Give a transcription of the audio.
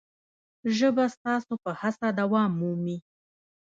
ژبه ستاسو په هڅه دوام مومي.